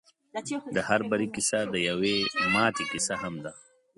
د هر بري کيسه د يوې ماتې کيسه هم ده.